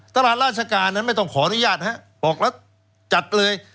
ตลาดราชการนั้นไม่ต้องขออนุญาตนะฮะบอกแล้วจัดเลย